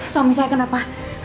suami saya kenapa